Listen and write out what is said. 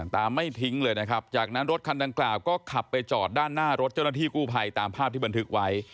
ไม่ทิ้งเลยนะครับจากนั้นรถคันดังกล่าวก็ขับไปจอดด้านหน้ารถเจ้าหน้าที่กู้ภัยตามภาพที่บันทึกไว้